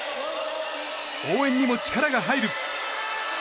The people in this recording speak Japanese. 応援にも力が入る。